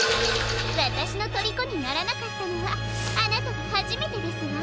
わたしのとりこにならなかったのはあなたがはじめてですわ。